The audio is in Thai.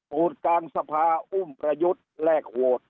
พูดกลางสภาอุ้มประยุทธ์แลกโหวต